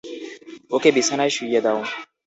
ওকে বিছানায় শুইয়ে দাও।